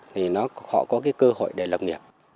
thì họ có cái cơ hội để lập nghiệp